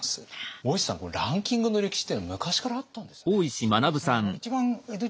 大石さんランキングの歴史っていうのは昔からあったんですね。